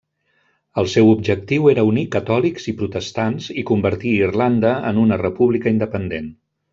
El seu objectiu era unir catòlics i protestants i convertir Irlanda en una república independent.